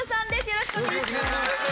よろしくお願いします。